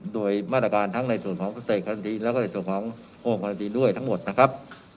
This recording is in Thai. โดยมาตรการทั้งในส่วนของเกษตรกรทีนแล้วก็ในส่วนขององค์การันตีด้วยทั้งหมดนะครับ